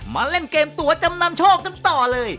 มาเล่นเกมตัวจำนำโชคกันต่อเลย